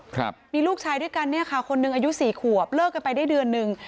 ครับมีลูกชายด้วยกันเนี่ยค่ะคนหนึ่งอายุสี่ขวบเลิกกันไปได้เดือนหนึ่ง